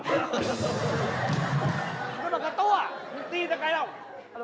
มันก็เหมือนกับตัวมันตีมันก็ไกลแล้ว